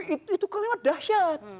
itu kalimat dahsyat